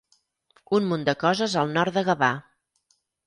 Un munt de coses al nord de Gavà.